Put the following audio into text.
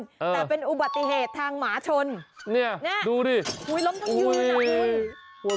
แต่เป็นอุบัติเหตุทางหมาชนเนี่ยดูดิอุ้ยล้มทั้งยืนอ่ะคุณ